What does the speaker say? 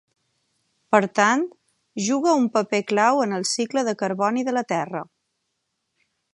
Per tant, juga un paper clau en el cicle de carboni de la Terra.